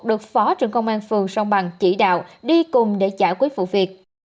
được phó trưởng công an phường sông bằng chỉ đạo đi cùng để giải quyết vụ việc